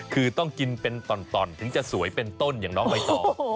คือต้องกินเป็นต่อนถึงจะสวยเป็นต้นอย่างน้องใบตอง